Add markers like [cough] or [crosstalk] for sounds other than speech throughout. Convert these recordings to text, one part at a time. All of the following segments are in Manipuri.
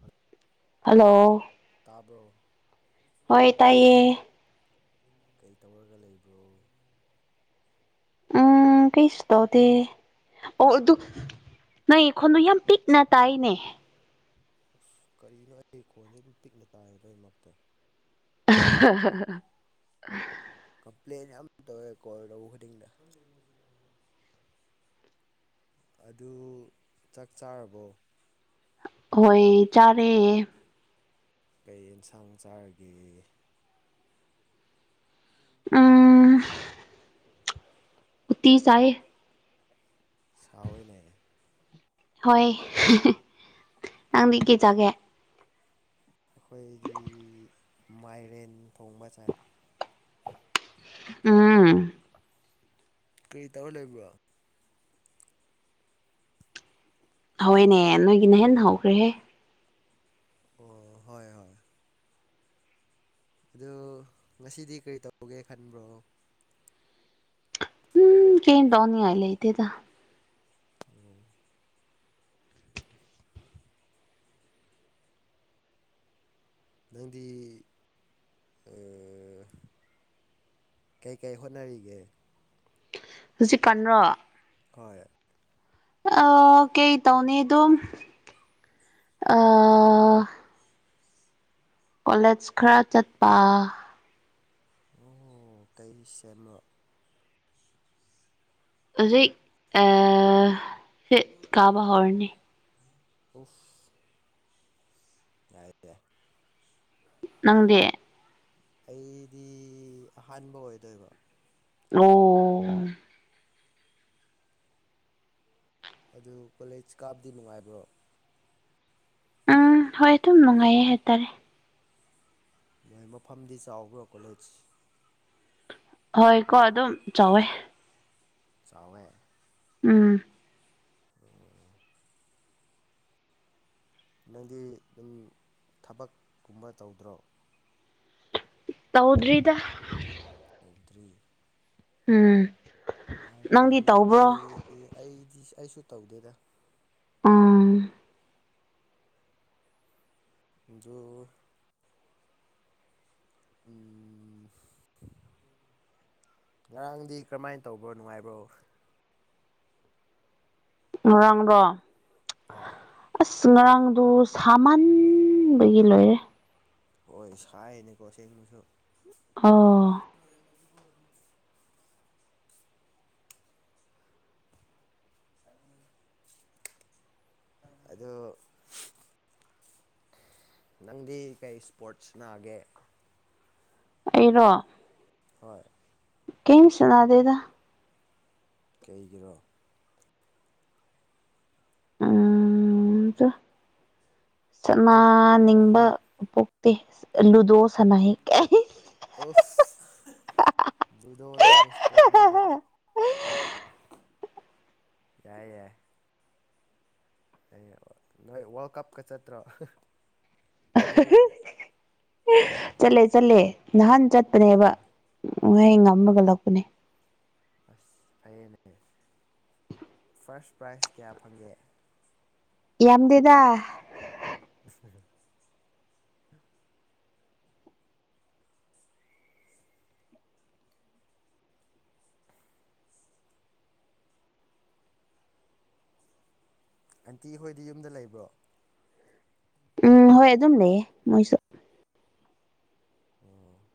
ꯐꯠ ꯍꯜꯂꯣ ꯇꯥꯕ꯭ꯔꯣ ꯇꯩꯇꯩ ꯍꯣꯏ ꯇꯥꯏꯌꯦ ꯀꯩ ꯇꯧꯋꯔꯒ ꯂꯩꯕ꯭ꯔꯣ ꯎꯝ ꯀꯩꯁꯨ ꯇꯧꯗꯦ ꯑꯣ ꯑꯗꯨ ꯅꯪꯒꯤ ꯈꯣꯟ ꯗꯣ ꯄꯤꯛꯅ ꯇꯥꯏꯅꯦ ꯑꯁ ꯀꯔꯤꯅꯣ ꯑꯩꯒꯤ ꯈꯣꯟ ꯁꯦ ꯑꯗꯨꯝ ꯄꯤꯛ ꯅꯥꯇꯥꯏ ꯂꯣꯏꯅꯃꯛ ꯇꯥ ꯍ ꯍ ꯍ ꯀꯝꯄ꯭ꯂꯦꯟ ꯌꯥꯝ ꯇꯧꯋꯦ ꯀꯣꯜ ꯇꯧꯕ ꯈꯨꯗꯤꯡꯗ ꯑꯗꯨ ꯆꯥꯛ ꯆꯥꯔꯕꯣ ꯍꯣꯏ ꯆꯥꯔꯦ ꯀꯩ ꯌꯦꯟꯁꯥꯡ ꯆꯥꯔꯒꯦ ꯎꯝ ꯇꯤ ꯆꯥꯏꯌꯦ ꯍꯥꯎꯋꯦꯅꯦ ꯍꯣꯏ ꯅꯪꯗꯤ ꯀꯩ ꯆꯥꯒꯦ ꯑꯩꯈꯣꯏꯗꯤ ꯃꯥꯏꯔꯦꯟ ꯊꯣꯡꯕ ꯆꯥꯏ ꯎꯝ ꯀꯔꯤ ꯇꯧꯔ ꯂꯩꯕ꯭ꯔꯣ ꯍꯣꯏꯅꯦ ꯅꯣꯏꯒꯤꯅ ꯍꯦꯟꯅ ꯍꯧꯈ꯭ꯔꯦꯍꯦ ꯑꯣ ꯍꯣꯏ ꯍꯣꯏ ꯑꯗꯨ ꯉꯁꯤꯗꯤ ꯀꯔꯤ ꯇꯧꯒꯦ ꯈꯟꯕ꯭ꯔꯣ ꯎꯝ ꯀꯩꯝ ꯇꯧꯅꯤꯡꯉꯥꯏ ꯂꯩꯇꯦꯗ ꯎꯝ ꯅꯪꯗꯤ ꯀꯩ ꯀꯩ ꯍꯣꯠꯅꯔꯤꯒꯦ ꯍꯧꯖꯤꯛꯀꯥꯟꯔꯣ ꯍꯣꯏ ꯑꯥ ꯀꯩ ꯇꯧꯅꯤ ꯑꯗꯨꯝ ꯑꯥ ꯀꯣꯂꯦꯖ ꯈꯔ ꯆꯠꯄ ꯑꯣ ꯀꯩ ꯁꯦꯝꯃꯣ ꯍꯧꯖꯤꯛ ꯑꯥ ꯐꯤꯞ ꯀꯥꯕ ꯍꯧꯔꯅꯤ ꯑꯣꯐ ꯌꯥꯏ ꯌꯥꯏ ꯅꯪꯗꯤ ꯑꯩꯗꯤ ꯑꯍꯥꯟꯕ ꯑꯣꯏꯗꯣꯏꯕ ꯑꯣ ꯑꯣ ꯑꯗꯨ ꯀꯣꯂꯦꯖ ꯀꯥꯞꯕꯗꯤ ꯅꯨꯡꯉꯥꯏꯕ꯭ꯔꯣ ꯎꯝ ꯍꯣꯏ ꯑꯗꯨꯝ ꯅꯨꯡꯉꯥꯏꯌꯦ ꯍꯥꯏꯇꯥꯔꯦ ꯃꯣꯏ ꯃꯐꯝꯗꯤ ꯆꯥꯎꯕ꯭ꯔꯥ ꯀꯣꯂꯦꯖ ꯍꯣꯏ ꯀꯣ ꯑꯗꯨꯝ ꯆꯥꯎꯋꯦ ꯆꯥꯎꯋꯦ ꯎꯝ ꯎꯝ ꯅꯪꯗꯤ ꯑꯗꯨꯝ ꯊꯕꯛ ꯀꯨꯝꯕ ꯇꯧꯗ꯭ꯔꯣ ꯇꯧꯗ꯭ꯔꯤꯗ ꯇꯧꯗ꯭ꯔꯤ ꯎꯝ ꯑꯗꯨ ꯅꯪꯗꯤ ꯇꯧꯕ꯭ꯔꯣ ꯅꯣꯏ ꯑꯩꯗꯤ ꯑꯩꯁꯨ ꯇꯧꯗꯦꯗ ꯎꯝ ꯑꯗꯨ ꯎꯝ ꯉꯔꯥꯡꯗꯤ ꯀꯔꯃꯥꯏꯅ ꯇꯧꯕ꯭ꯔꯣ ꯅꯨꯡꯉꯥꯏꯕ꯭ꯔꯣ ꯉꯥꯔꯥꯡꯔꯣ ꯍꯣꯏ ꯑꯁ ꯉꯔꯥꯡꯗꯨ ꯁꯥꯃꯟꯕꯒꯤ ꯂꯣꯏꯔꯦ ꯍꯣꯏ ꯁꯥꯏꯅꯦꯀꯣ ꯁꯦꯡꯕꯁꯨ ꯑꯣ [unintelligible] ꯑꯗꯣ ꯅꯪꯗꯤ ꯀꯩ ꯁꯄꯣꯔꯠꯁ ꯁꯥꯟꯅꯒꯦ ꯑꯩꯔꯣ ꯍꯣꯏ ꯀꯩꯝ ꯁꯅꯥꯗꯗ ꯀꯩꯒꯤꯔꯣ ꯑ ꯆ ꯁꯅꯥ ꯅꯤꯡꯕ ꯄꯣꯛꯇꯦ ꯂꯨꯗꯣ ꯁꯅꯥ ꯑꯣꯁ ꯂꯨꯗꯣ ꯁꯤꯕꯣ ꯁꯄꯣꯔ꯭ꯠ ꯅꯦꯕ ꯌꯥꯏ ꯌꯥꯏ ꯑ ꯅꯣꯏ ꯋꯥꯔꯜꯗ ꯀꯞ ꯀ ꯆꯠꯇ꯭ꯔꯣ ꯂꯨꯗꯣꯒꯤ ꯆꯠꯂꯦ ꯆꯠꯂꯦ ꯅꯍꯥꯟ ꯆꯥ ꯆꯠꯄꯅꯦꯕ ꯋꯥꯍꯩ ꯑꯣ ꯉꯝꯃꯒ ꯂꯛꯄꯅꯦ ꯑꯁ ꯐꯩꯌꯦꯅꯦ ꯐꯥꯔ꯭ꯁ ꯄ꯭ꯔꯥꯏꯖ ꯀꯌꯥ ꯐꯪꯒꯦ ꯌꯥꯝꯗꯦꯗ [unintelligible] ꯑꯟꯇꯤ ꯍꯣꯏꯗꯤ ꯌꯨꯝꯗ ꯂꯩꯕ꯭ꯔꯣ ꯎꯝ ꯍꯣꯏ ꯑꯗꯨꯝ ꯂꯩꯌꯦ ꯃꯣꯏꯁꯨ ꯑꯣ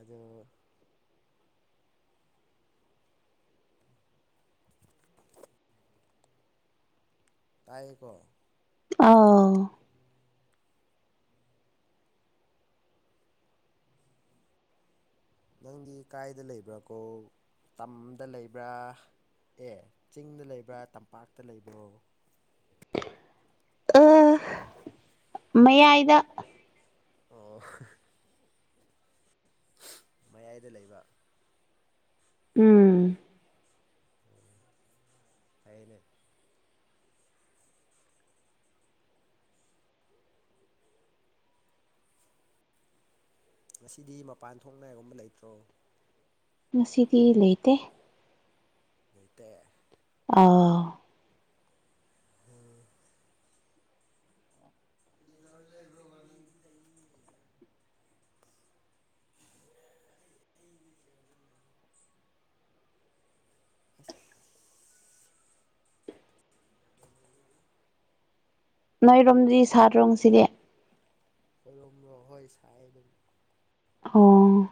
ꯑꯗꯨ [inaudible] ꯇꯥꯏꯌꯦꯀꯣ ꯑꯥꯎ ꯅꯪꯗꯤ ꯀꯥꯏꯗ ꯂꯩꯕ꯭ꯔꯥꯀꯣ ꯇꯝꯗ ꯂꯩꯕ꯭ꯔꯥ ꯑꯦ ꯆꯤꯡꯗ ꯂꯩꯕ꯭ꯔꯥ ꯇꯝꯄꯥꯛꯇ ꯂꯩꯕ꯭ꯔꯣ ꯃꯥꯌꯥꯏꯗ ꯑꯣ ꯍꯍ ꯃꯌꯥꯏꯗ ꯂꯩꯕ ꯎꯝ ꯎꯝ ꯐꯩꯌꯦꯅꯦ ꯉꯁꯤꯗꯤ ꯃꯄꯥꯟ ꯊꯣꯛ ꯅꯥꯏꯒꯨꯝꯕ ꯂꯩꯇ꯭ꯔꯣ ꯉꯁꯤꯗꯤ ꯂꯩꯇꯦ ꯂꯩꯇꯦ ꯑꯧ ꯎꯝ [unintelligible] ꯑꯁ [unintelligible] ꯅꯣꯏꯔꯣꯝꯗꯤ ꯁꯥꯗ꯭ꯔꯣ ꯉꯁꯤꯗꯤ ꯈꯣꯏꯔꯣꯝꯔꯣ ꯍꯣꯏ ꯁꯥꯏ ꯑꯗꯨꯝ ꯑꯣ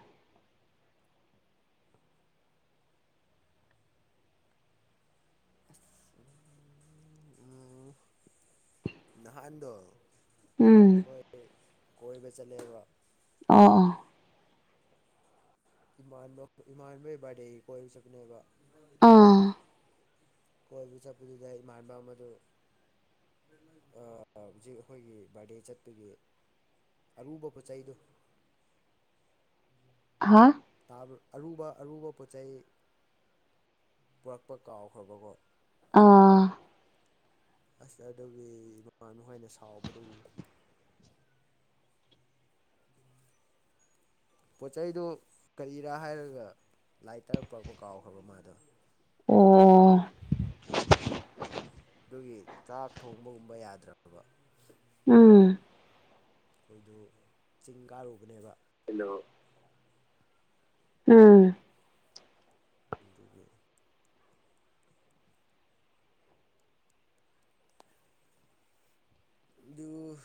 ꯎꯝ ꯅꯍꯥꯟꯗꯣ ꯎꯝ ꯑꯩꯈꯣꯏ ꯀꯣꯏꯕ ꯆꯠꯂꯦꯕ ꯑꯣ ꯑꯣ ꯏꯃꯥꯟꯅ ꯏꯃꯥꯟꯕꯩ ꯕꯥꯔꯗꯦꯒꯤ ꯀꯣꯏꯕ ꯆꯠꯄꯅꯦꯕ ꯑꯥ ꯀꯣꯏꯕ ꯆꯠꯄꯗꯨꯗ ꯏꯃꯥꯟꯕ ꯑꯃꯗꯨ ꯍꯧꯖꯤꯛ ꯑꯩꯈꯣꯏꯒꯤ ꯕꯥꯔꯗꯦ ꯆꯠꯄꯒꯤ ꯑꯔꯨꯕ ꯄꯣꯠ ꯆꯩꯗꯨ ꯍꯥꯥ ꯇꯥꯕꯔꯣ ꯑꯔꯨꯕ ꯑꯔꯨꯕ ꯄꯣꯠ ꯆꯩ ꯄꯨꯔꯛꯄ ꯀꯥꯎꯈ꯭ꯔꯕꯀꯣ ꯑꯥ ꯑꯁ ꯑꯗꯨꯒꯤ ꯏꯃꯥꯟꯅ ꯍꯣꯏꯅ ꯁꯥꯎꯕꯗꯨ [inaudible] ꯄꯣꯠ ꯆꯩꯗꯨ ꯀꯔꯤꯔꯥ ꯍꯥꯏꯔꯒ ꯂꯥꯏꯇꯔ ꯄꯨꯔꯛꯄ ꯀꯥꯎꯈ꯭ꯔꯕ ꯃꯥꯗꯣ ꯑꯣ ꯎꯝ ꯑꯗꯨꯒꯤ ꯆꯥꯛ ꯊꯣꯡꯕꯒꯨꯝꯕ ꯌꯥꯗ꯭ꯔ ꯑꯕ ꯎꯝ ꯈꯣꯏꯗꯨ ꯆꯤꯡ ꯀꯥꯔꯨꯕꯅꯦꯕ ꯍꯩꯅꯣ ꯎꯝ ꯗꯨꯒꯤ ꯗꯨ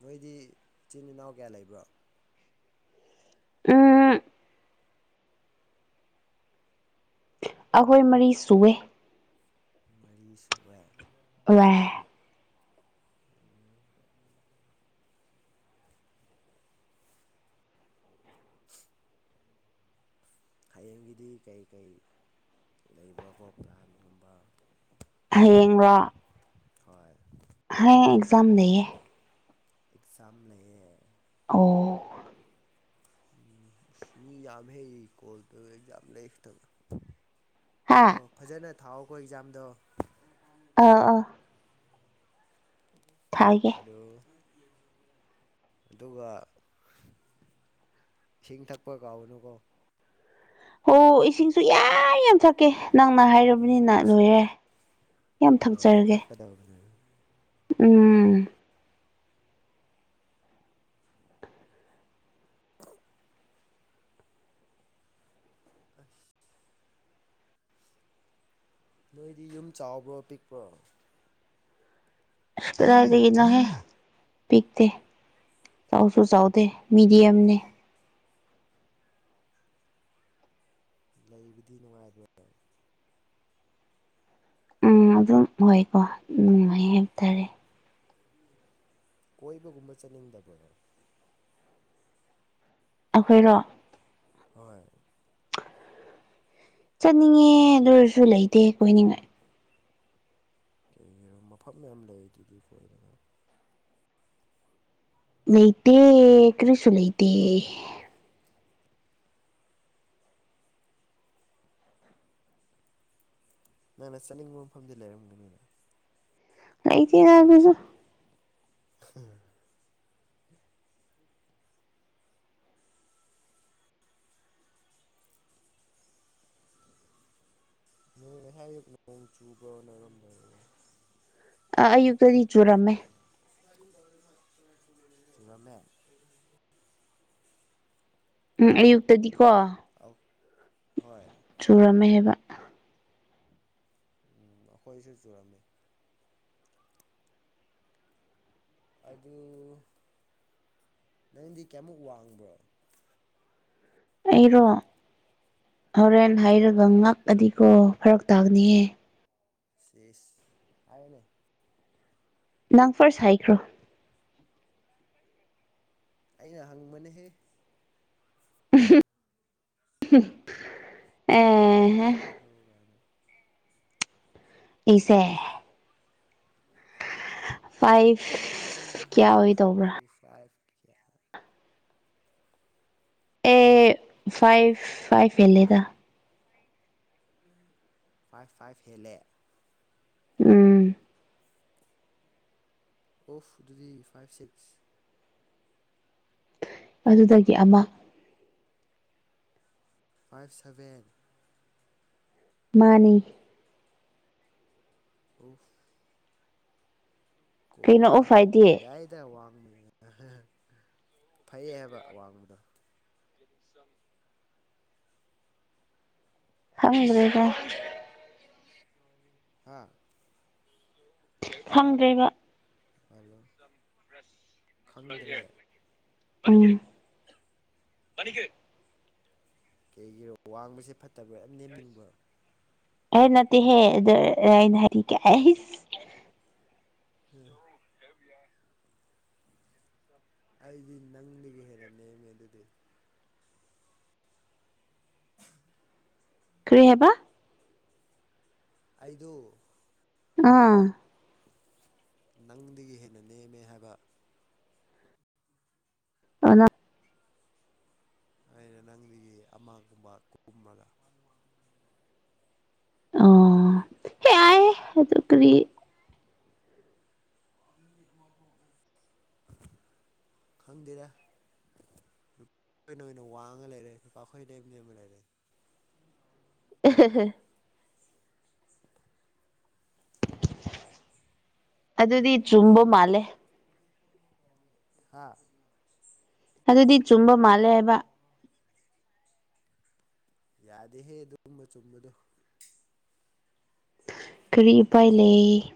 ꯅꯣꯏꯗꯤ ꯏꯆꯤꯟ ꯏꯅꯥꯎ ꯀꯌꯥ ꯂꯩꯕ꯭ꯔꯣ ꯎꯝ ꯑꯈꯣꯏ ꯃꯔꯤ ꯁꯨꯋꯦ ꯃꯔꯤ ꯁꯨꯌꯦ ꯑꯣ [unintelligible] ꯎꯝ ꯍꯌꯦꯡꯒꯤꯗꯤ ꯀꯩ ꯀꯩ ꯂꯩꯕ꯭ꯔꯥ ꯀꯣ ꯄ꯭ꯂꯥꯟ ꯒꯨꯝꯕ ꯍꯌꯦꯡ ꯔꯣ ꯍꯣꯏ ꯍꯌꯦꯡ ꯑꯦꯛꯖꯥꯝ ꯂꯩꯌꯦ ꯑꯦꯛꯖꯥꯝ ꯂꯩꯌꯦ ꯑꯣ ꯎꯝ ꯃꯤ ꯌꯥꯝꯍꯩ ꯀꯣꯜ ꯇꯧꯔꯛꯏꯖꯦ ꯌꯥꯝ [unintelligible] ꯍꯥ ꯑꯣꯍꯣ ꯐꯖꯅ ꯊꯥꯑꯣꯀꯣ ꯑꯦꯛꯖꯥꯝꯗꯣ ꯑꯩ ꯑꯧ ꯊꯥꯒꯦ ꯑꯗꯣ ꯑꯗꯨꯒ ꯏꯁꯤꯡ ꯊꯛꯄ ꯀꯥꯎꯒꯅꯨꯀꯣ ꯍꯣ ꯏꯁꯤꯡꯁꯨ ꯌꯥ ꯑꯩ ꯌꯥꯝ ꯊꯛꯀꯦ ꯅꯪꯅ ꯍꯥꯏꯔꯕꯅꯤꯅ ꯂꯣꯏꯔꯦ ꯌꯥꯝ ꯊꯛꯆꯔꯒꯦ ꯍꯣꯠꯅꯧ ꯍꯣꯠꯅꯧ ꯎꯝ ꯑꯁ ꯅꯣꯏꯗꯤ ꯌꯨꯝ ꯆꯥꯎꯕ꯭ꯔꯣ ꯄꯤꯛꯄ꯭ꯔꯣ ꯀꯔꯥꯏꯗꯒꯤ ꯅꯣꯍꯦ ꯄꯤꯛꯇꯦ ꯆꯥꯎꯁꯨ ꯆꯥꯎꯗꯦ ꯄꯤꯛ ꯃꯤꯗꯤ ꯌꯥꯝꯅꯦ ꯑꯣꯐ ꯂꯩꯕꯗꯤ ꯅꯨꯡꯉꯥꯏꯕ꯭ꯔꯣ ꯎꯝ ꯑꯗꯨꯝ ꯑꯣꯏꯀꯣ ꯅꯨꯡꯉꯥꯏ ꯍꯥꯏꯕ ꯇꯥꯔꯦ ꯀꯣꯏꯕꯒꯨꯝꯕ ꯆꯠꯅꯤꯡꯗꯕꯔꯣ ꯑꯈꯣꯏꯔꯣ ꯍꯣꯏ ꯆꯠꯅꯤꯡꯉꯦ ꯑꯗꯨ ꯑꯣꯏꯔꯁꯨ ꯂꯩꯇꯦ ꯀꯣꯏꯅꯤꯡꯉꯥꯏ ꯀꯩꯒꯤꯔꯣ ꯃꯐꯝ ꯃꯌꯥꯝ ꯂꯩ ꯗꯨꯗꯤ ꯀꯣꯏꯅꯕ ꯂꯩꯇꯦ ꯀꯔꯤꯁꯨ ꯂꯩꯇꯦ ꯅꯪꯅ ꯆꯠꯅꯤꯡꯕ ꯃꯐꯝꯗꯤ ꯂꯩꯔꯝꯒꯅꯤꯗ ꯂꯩꯇꯦꯗ ꯑꯗꯨꯁꯨ [unintelligible] ꯅꯣꯡꯅ ꯍꯥꯏꯔ ꯅꯣꯡ ꯆꯨꯕ꯭ꯔꯣ ꯅꯣꯏꯔꯣꯝꯗ ꯑ ꯑꯌꯨꯛꯇꯗꯤ ꯆꯨꯔꯝꯃꯦ [unintelligible] ꯎꯝ ꯑꯌꯨꯛꯇꯗꯤꯀꯣ ꯑꯧ ꯍꯣꯏ ꯆꯨꯔꯝꯃꯦ ꯍꯥꯏꯕ ꯎꯝ ꯑꯩꯈꯣꯏꯁꯨ ꯆꯨꯔꯝꯃꯤ ꯑꯗꯨ ꯅꯪꯗꯤ ꯀꯌꯥꯃꯨꯛ ꯋꯥꯡꯕ꯭ꯔꯣ ꯑꯩꯔꯣ ꯍꯣꯔꯦꯟ ꯍꯩꯔꯒ ꯍꯣꯏ ꯉꯛꯑꯗꯤꯀꯣ ꯐꯔꯛ ꯇꯥꯛꯒꯅꯤꯍꯦ ꯁꯤꯁ ꯍꯥꯏꯌꯨꯅꯦ [inaudible] ꯅꯪ ꯐꯥꯔꯁ ꯍꯥꯏꯈ꯭ꯔꯣ ꯑꯩꯅ ꯍꯪꯕꯅꯦꯍꯦ [unintelligible] [inaudible] ꯅꯪ ꯑꯦ ꯐꯥꯔꯁ ꯇꯥꯏꯐ [unintelligible] ꯑꯩꯁꯦ [unintelligible] ꯐꯥꯏꯚ ꯑꯁꯦꯡꯕ ꯀꯌꯥ ꯍꯥꯏꯗ꯭ꯔꯁꯨ ꯑꯣꯏꯗꯧꯕ꯭ꯔꯥ ꯐꯥꯏꯚ ꯀꯌꯥ ꯑꯦ ꯐꯥꯏꯚ ꯐꯥꯏꯚ ꯍꯦꯜꯂꯦꯗ ꯐꯥꯏꯚ ꯐꯥꯏꯚ ꯍꯦꯜꯂꯦ ꯎꯝ [unintelligible] [inaudible] ꯑꯣꯐ ꯑꯗꯨꯗꯤ ꯐꯥꯏꯚ ꯁꯤꯛꯁ ꯑꯗꯨꯗꯒꯤ ꯑꯃ ꯐꯥꯏꯚ ꯁꯚꯦꯟ ꯃꯥꯅꯤ [unintelligible] [inaudible] ꯀꯣ ꯀꯩꯅꯣ ꯑꯣꯐ ꯋꯥꯡ ꯍꯥꯏꯗꯤ ꯌꯥꯏꯗ ꯋꯥꯡꯅ [unintelligible] ꯐꯩ ꯍꯥꯏꯕ ꯋꯥꯡꯕꯗꯣ ꯝ [unintelligible] ꯈꯪꯗ꯭ꯔꯦꯗ [unintelligible] [inaudible] ꯍꯥꯥ ꯐꯪꯗ꯭ꯔꯦꯕ ꯍꯜꯂꯣ [inaudible] [unintelligible] ꯈꯪꯗ꯭ꯔꯦ [inaudible] [unintelligible] ꯀꯩꯒꯤꯔꯣ ꯋꯥꯡꯕꯁꯦ ꯐꯠꯇꯕ꯭ꯔꯥꯅ ꯅꯦꯝꯅꯤꯡꯕꯔꯣ ꯑꯦ ꯅꯠꯇꯦ ꯍꯦ [inaudible] [unintelligible] [inaudible] ꯑꯩꯗꯤ ꯅꯪꯗꯒꯤ ꯍꯦꯟꯅ ꯅꯦꯝꯃꯦ ꯑꯗꯨꯗꯤ [unintelligible] ꯀ꯭ꯔꯤ ꯍꯥꯏꯕ ꯑꯩꯗꯨ ꯎꯝ ꯅꯪꯗꯒꯤ ꯍꯦꯟꯅ ꯅꯦꯝꯃꯦ ꯍꯥꯏꯕ [unintelligible] ꯑꯩꯅ ꯅꯪꯗꯒꯤ ꯑꯃꯒꯨꯝꯕ ꯀꯨꯝꯃꯒ ꯑꯣ [unintelligible] ꯀꯔꯤ [unintelligible] [unintelligible] ꯈꯪꯗꯦꯗ ꯅꯨꯄꯤꯅ ꯑꯣꯏꯅ ꯋꯥꯡꯉ ꯂꯩꯔꯦ ꯅꯨꯄꯥ ꯑꯩꯈꯣꯏ ꯅ ꯅꯦꯝ ꯅꯦꯝꯃ ꯂꯩꯔꯦ [unintelligible] ꯑꯗꯨꯗꯤ ꯆꯨꯝꯕ ꯃꯥꯜꯂꯦ ꯍꯥꯥ ꯑꯗꯨꯗꯤ ꯆꯨꯝꯕ ꯃꯥꯜꯂꯦ ꯍꯥꯏꯕ ꯌꯥꯗꯦꯍꯦ ꯑꯗꯨꯒꯨꯝꯕ ꯆꯨꯝꯕꯗꯣ ꯀꯔꯤ ꯎꯄꯥꯏ ꯂꯩ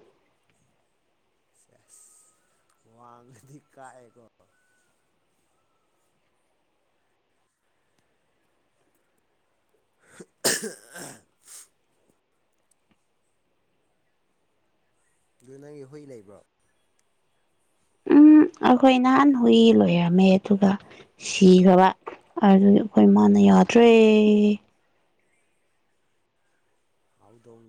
ꯁꯦꯁ ꯋꯥꯡꯉꯗꯤ ꯀꯥꯢꯀꯣ [unintelligible] ꯑꯗꯨ ꯅꯪꯒꯤ ꯍꯨꯏ ꯂꯩꯕ꯭ꯔꯣ ꯎꯝ ꯑꯩꯈꯣꯏ ꯅꯍꯥꯟ ꯍꯨꯏ ꯂꯣꯏꯔꯝꯃꯦ ꯑꯗꯨꯒ ꯁꯤꯈ꯭ꯔꯕ ꯑꯗꯨ ꯑꯩꯈꯣꯏ ꯃꯥꯅ ꯌꯥꯗ꯭ꯔꯦ ꯍꯧꯗꯣꯡ